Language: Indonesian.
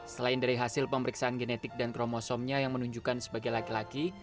selain dari hasil pemeriksaan genetik dan tromosomnya yang menunjukkan sebagai laki laki